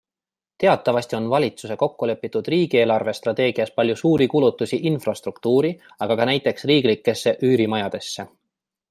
Teatavasti on valitsuse kokkulepitud riigieelarve strateegias palju suuri kulutusi infrastruktuuri, aga ka näiteks riiklikesse üürimajadesse.